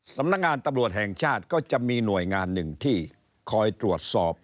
สำนักงานตำรวจแห่งชาติก็จะมีหน่วยงานหนึ่งที่คอยตรวจสอบ